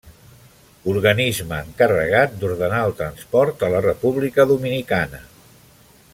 Organisme encarregat d'ordenar el transport a la República Dominicana.